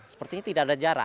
sepertinya tidak ada jarak